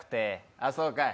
ああ、そうかい。